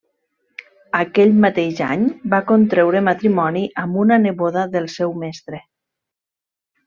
Aquell mateix any va contreure matrimoni amb una neboda del seu mestre.